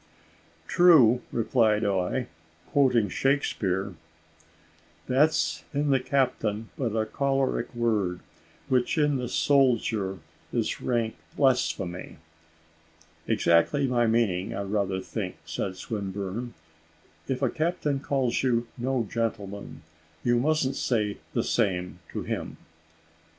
"True," replied I, quoting Shakespeare: "`That's in the captain but a choleric word, Which in the soldier is rank blasphemy.'" "Exactly my meaning I rather think," said Swinburne, "if a captain calls you no gentleman, you mustn't say the same to him."